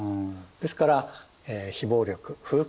ですから非暴力・不服従